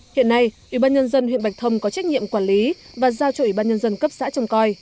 hiện nay ủy ban nhân dân huyện bạch thông có trách nhiệm quản lý và giao cho ủy ban nhân dân cấp xã trồng coi